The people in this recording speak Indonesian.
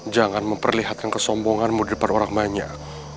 jangan memperlihatkan kesombonganmu di depan orang banyak